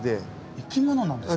生き物なんですか？